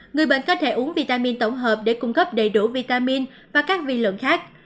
người bệnh có thể uống vitamin tổng hợp để cung cấp đầy đủ vitamin và các vi lượng khác